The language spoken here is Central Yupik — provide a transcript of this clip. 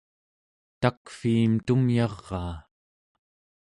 takviim tumyaraa